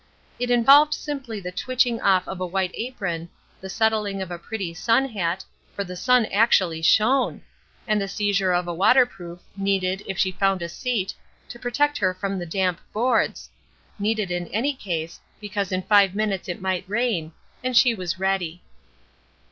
It involved simply the twitching off of a white apron, the settling of a pretty sun hat for the sun actually shone! and the seizure of a waterproof, needed, if she found a seat, to protect her from the damp boards needed in any case, because in five minutes it might rain and she was ready.